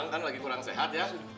kan lagi kurang sehat ya